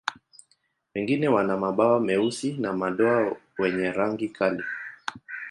Wengine wana mabawa meusi na madoa wenye rangi kali.